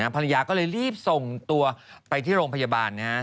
ภรรยาก็เลยรีบส่งตัวไปที่โรงพยาบาลนะครับ